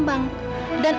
ibu akan berkembang